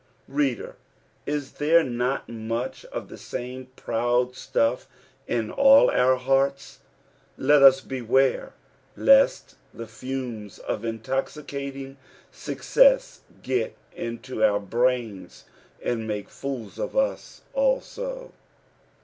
Rcadi r, is there not much of the same proud stuff in all our hearts ] let us beware lest the fumes of intoxicating success get into our brains and make fools of us also.